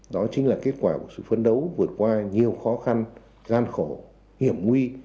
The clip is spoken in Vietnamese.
đó chính là kết quả của sự phấn đấu vượt qua nhiều khó khăn gian khổ hiểm nguy